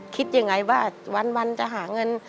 คิดยังไงว่าวันจะหาเงิน